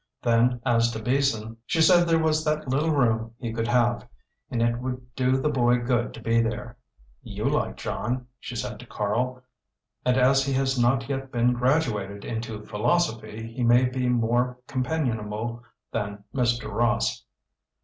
Then as to Beason, she said there was that little room he could have, and it would do the boy good to be there. "You like John," she said to Karl, "and as he has not yet been graduated into philosophy, he may be more companionable than Mr. Ross."